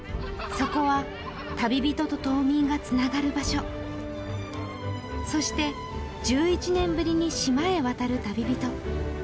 そこは旅人と島民がつながる場所そして１１年ぶりに島へ渡る旅人